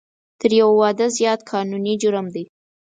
تر یو واده زیات قانوني جرم دی